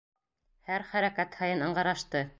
Һәр хәрәкәт һайын ыңғырашты.